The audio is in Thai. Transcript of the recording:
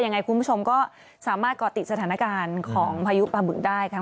ยังไงคุณผู้ชมก็สามารถก่อติดสถานการณ์ของพายุปลาบึกได้ค่ะ